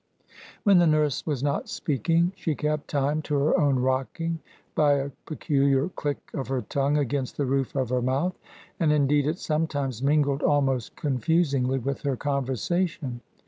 When the nurse was not speaking, she kept time to her own rocking by a peculiar click of her tongue against the roof of her mouth; and indeed it sometimes mingled, almost confusingly, with her conversation.